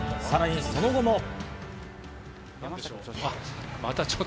さらにその後も。